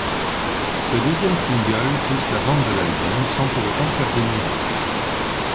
Ce deuxième single pousse la vente de l'album sans pour autant faire des miracles.